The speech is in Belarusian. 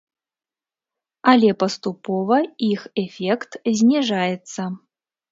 Але паступова іх эфект зніжаецца.